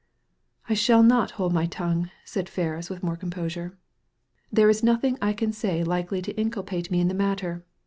"I shall not hold my tongue," said Ferris, with more composure. There is nothing I can say likely to inculpate me in the matter.